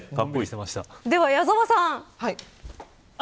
では、矢沢さん。